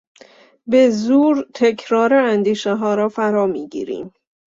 به زور تکرار اندیشهها را فرا میگیریم.